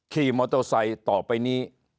ขี่มอเตอร์ไซค์ต่อไปนี้